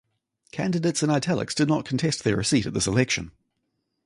Candidates in "italics" did not contest their seat at this election.